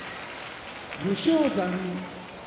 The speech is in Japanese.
武将山